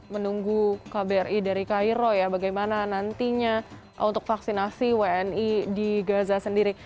menunggu kbri dari cairo ya bagaimana nantinya untuk vaksinasi wni di gaza sendiri